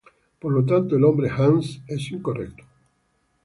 Por lo tanto, el nombre "Hans" es incorrecto.